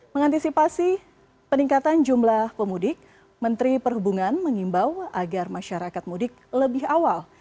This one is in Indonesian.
mengantisipasi peningkatan jumlah pemudik menteri perhubungan mengimbau agar masyarakat mudik lebih awal